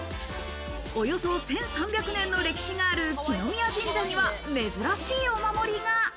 およそ１３００年の歴史がある來宮神社には珍しいお守りが。